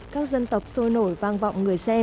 các dân tộc sôi nổi vang vọng người xem